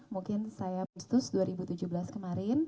mungkin saya pustus dua ribu tujuh belas kemarin